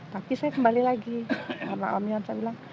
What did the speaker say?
tapi saya kembali lagi sama om yon